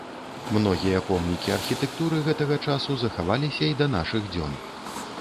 Многія помнікі архітэктуры гэтага часу захаваліся і да нашых дзён.